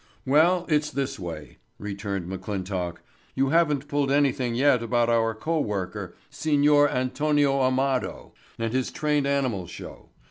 "Well, it's this way," returned McClintock. "You haven't pulled anything yet about our co worker, Signor Antonio Amado, and his trained animal show.